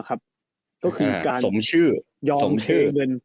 ก็คือการสมชื่อยอมชื่อเงิน